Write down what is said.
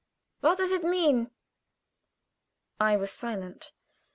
What does it mean?" I was silent.